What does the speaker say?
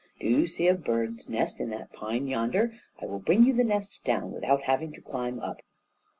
Do you see a bird's nest in that pine yonder? I will bring you the nest down without having to climb up."